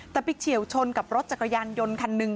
แต่ไปเฉียวชนกับรถจักรยานยนต์คันหนึ่ง